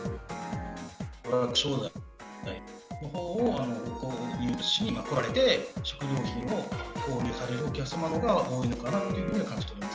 ドラッグ商材を購入しに来られて、食料品を購入されるお客様のほうが多いのかなというふうには感じてます。